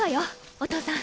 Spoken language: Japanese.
お父さん。